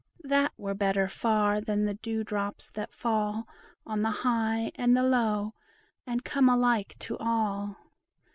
That were better far than the dew drops that fall On the high and the low, and come alike to all.